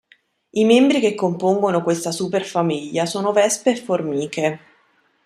I membri che compongono questa superfamiglia sono vespe e formiche.